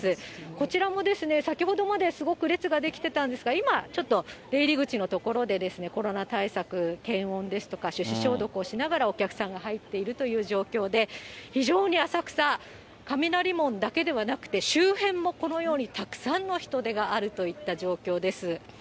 こちらも、先ほどまですごく列が出来てたんですが、今、ちょっと出入り口の所でコロナ対策、検温ですとか、手指消毒をしながら、お客さんが入っているという状況で、非常に浅草、雷門だけではなくて、周辺もこのようにたくさんの人出があるといった状況です。